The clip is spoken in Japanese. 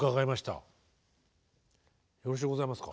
よろしゅうございますか。